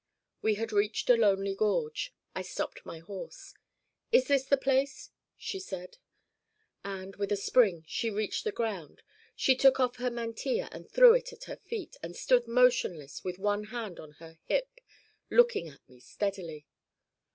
We had reached a lonely gorge. I stopped my horse. "Is this the place?" she said. And with a spring she reached the ground. She took off her mantilla and threw it at her feet, and stood motionless with one hand on her hip, looking at me steadily.